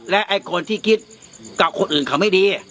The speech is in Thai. และไอ้คนที่คิดกับคนอื่นเขาไม่ดี